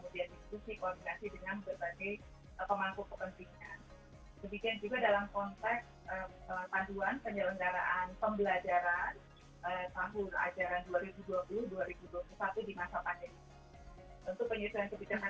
jadi kita harus memiliki hak yang lebih baik